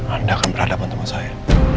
anda akan berhadapan sama saya